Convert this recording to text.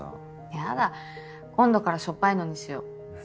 やだ今度からしょっぱいのにしよ。